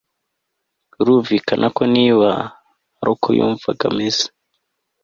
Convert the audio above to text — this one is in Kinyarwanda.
Birumvikana ko niba ari ko yumvaga ameze